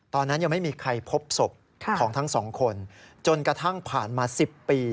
ตอนนั้นยังไม่มีใครพบศพของทั้งสองคนจนกระทั่งผ่านมา๑๐ปี